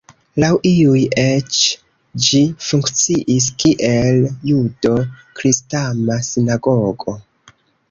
Laŭ iuj eĉ ĝi funkciis kiel judo-kristama sinagogo.